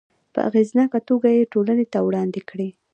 په اغیزناکه توګه یې ټولنې ته وړاندې کړي.